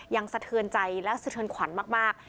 ยังสะเทินใจและสะเทินขวัญมาก